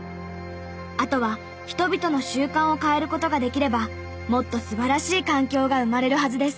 あとは人々の習慣を変える事ができればもっと素晴らしい環境が生まれるはずです。